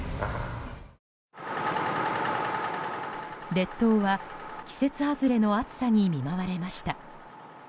列島は季節外れの暑さに見舞われました。